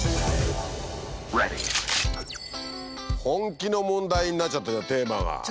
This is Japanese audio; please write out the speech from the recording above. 本気の問題になっちゃったじゃんテーマが。